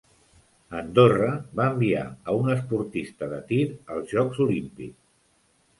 Andorra va enviar a un esportista de tir als Jocs Olímpics.